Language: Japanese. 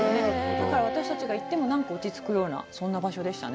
だから、私たちが行っても、なんか落ちつくような、そんな場所でしたね。